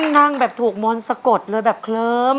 นั่งแบบถูกมนต์สะกดเลยแบบเคลิ้ม